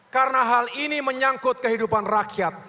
karena hal ini menyangkut kehidupan rakyat